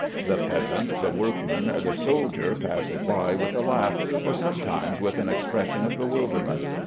The peasant, the workman, the soldier pass it by with a laugh, or sometimes with an expression of bewilderment.